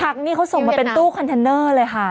นี่เขาส่งมาเป็นตู้คอนเทนเนอร์เลยค่ะ